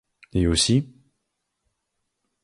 Et aussi...